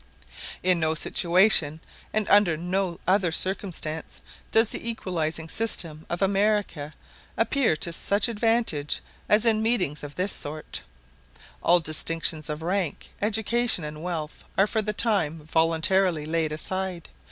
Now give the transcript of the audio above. In no situation, and under no other circumstance, does the equalizing system of America appear to such advantage as in meetings of this sort. All distinctions of rank, education, and wealth are for the time voluntarily laid aside.